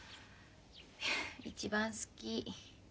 一番好き。